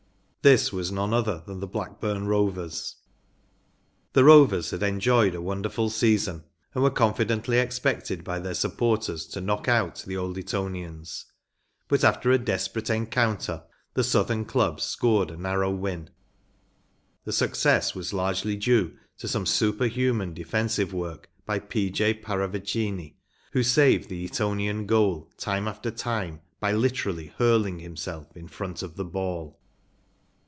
This was none other than the Blackburn Rovers. The Rovers had enjoyed a wonderful season and were confi¬ dently expected by their supporters to knock out the Old Etonians, But after a desperate encounter the South¬ ern club scored a narrow win. The success was largely due to some super¬ human defensive work by P, J. Para vicini, who iA saved the Etonian goal time after time by literally hurling him¬ self in front of the ball.